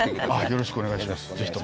よろしくお願いします。